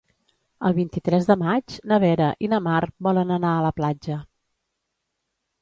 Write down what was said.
El vint-i-tres de maig na Vera i na Mar volen anar a la platja.